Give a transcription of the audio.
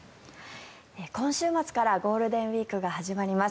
今週末からゴールデンウィークが始まります。